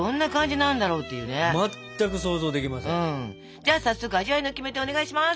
じゃあ早速味わいのキメテをお願いします。